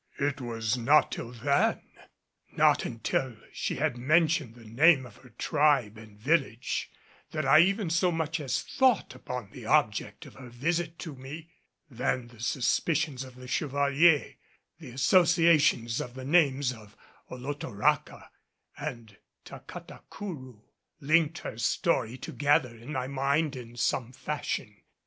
It was not till then, not until she had mentioned the name of her tribe and village, that I even so much as thought upon the object of her visit to me. Then the suspicions of the Chevalier, the association of the names of Olotoraca and Tacatacourou linked her story together in my mind in some fashion.